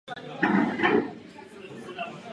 Vykonával funkci komorníka a skutečného tajného rady.